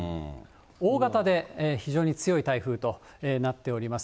大型で非常に強い台風となっております。